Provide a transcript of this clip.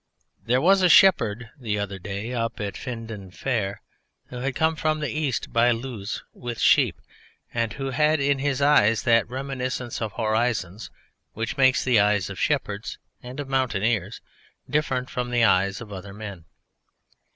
There was a shepherd the other day up at Findon Fair who had come from the east by Lewes with sheep, and who had in his eyes that reminiscence of horizons which makes the eyes of shepherds and of mountaineers different from the eyes of other men.